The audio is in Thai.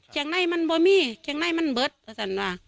แค่ไหนมันบ่อมี่แค่ไหนมันเบิ๊ดอาจารย์ว่า